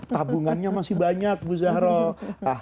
tabungannya masih banyak bu zahroh